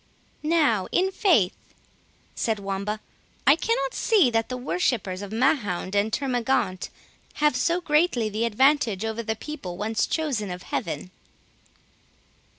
"Now, in faith," said Wamba, "I cannot see that the worshippers of Mahound and Termagaunt have so greatly the advantage over the people once chosen of Heaven."